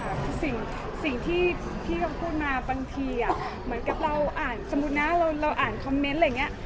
คือสิ่งที่พี่เขาพูดมาบางทีเหมือนกับเราอ่านสมมุตินะเราอ่านคอมเมนต์อะไรอย่างนี้